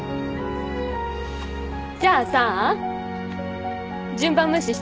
じゃあさ順番無視してもいい？